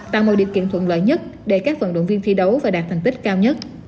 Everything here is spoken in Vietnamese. tạo mọi điều kiện thuận lợi nhất để các vận động viên thi đấu và đạt thành tích cao nhất